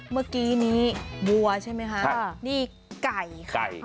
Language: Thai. เมื่อกี้นี้วัวใช่ไหมคะนี่ไก่ค่ะไก่